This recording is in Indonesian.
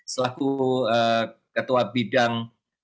selaku ketua bidang